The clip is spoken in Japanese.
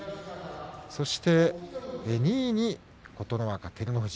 そして２位に琴ノ若、照ノ富士。